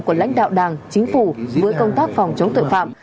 của lãnh đạo đảng chính phủ với công tác phòng chống tội phạm